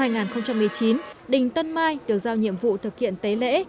năm hai nghìn một mươi chín đình tân mai được giao nhiệm vụ thực hiện tế lễ